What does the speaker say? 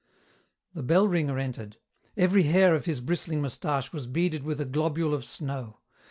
The bell ringer entered. Every hair of his bristling moustache was beaded with a globule of snow.